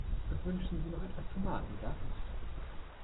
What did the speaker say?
Wünschen Sie noch etwas Tomatensaft?